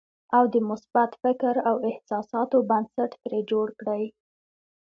او د مثبت فکر او احساساتو بنسټ ترې جوړ کړئ.